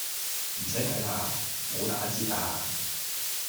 唔洗睇喇，冇打折呀